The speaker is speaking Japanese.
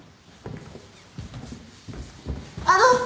あの！